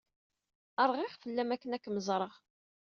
Rɣiɣ fell-am akken ad kem-ẓreɣ.